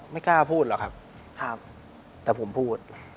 ไม่กล้าพูดหรอกครับแต่ผมพูด